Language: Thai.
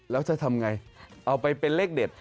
แล้วจะทำไงเอาไปเป็นเลขเด็ด